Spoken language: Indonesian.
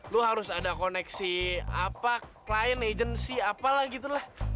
lo harus ada koneksi apa klien agency apalah gitu lah